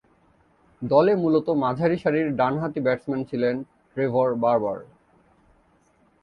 দলে মূলতঃ মাঝারিসারির ডানহাতি ব্যাটসম্যান ছিলেন ট্রেভর বারবার।